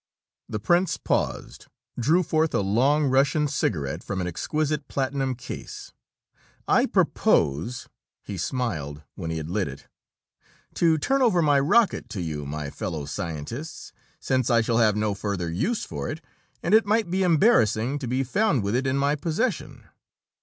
The prince paused, drew forth a long Russian cigarette from an exquisite platinum case. "I propose," he smiled, when he had lit it, "to turn over my rocket to you, my fellow scientists, since I shall have no further use for it and it might be embarrassing to be found with it in my possession."